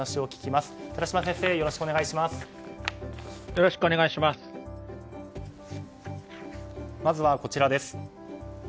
まずはこちらです。